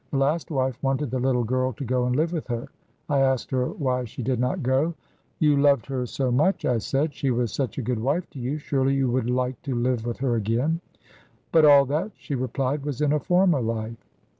The last wife wanted the little girl to go and live with her. I asked her why she did not go. 'You loved her so much,' I said. 'She was such a good wife to you. Surely you would like to live with her again.' 'But all that,' she replied, 'was in a former life.'